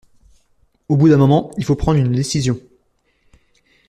Au bout d'un moment, il faut prendre une décision.